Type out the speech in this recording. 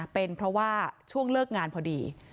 เป็นเพราะว่าช่วงเลิกงานพอดี